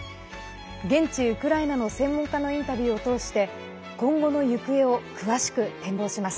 現地ウクライナの専門家のインタビューを通して今後の行方を詳しく展望します。